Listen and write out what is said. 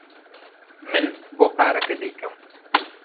من بۆ پارەکە دەیکەم.